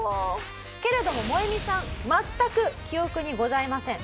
けれどもモエミさん全く記憶にございません。